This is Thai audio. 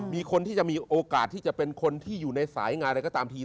มีคนที่จะมีโอกาสที่จะเป็นคนที่อยู่ในสายงานอะไรก็ตามที